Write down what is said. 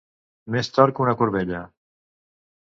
Més tort que una corbella.